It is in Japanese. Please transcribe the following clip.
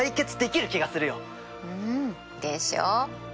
うんでしょう？